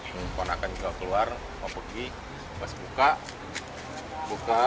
pemuda akan juga keluar mau pergi pas buka buka